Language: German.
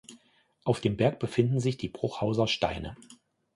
Auf dem Berg befinden sich die Bruchhauser Steine.